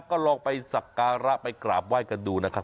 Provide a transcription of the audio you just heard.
ก็ลองไปสักการะไปกราบไหว้กันดูนะครับ